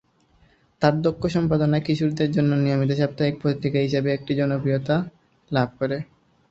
তার দক্ষ সম্পাদনায় কিশোরদের জন্য নিয়মিত সাপ্তাহিক পত্রিকা হিসাবে এটি জনপ্রিয়তা লাভ করে।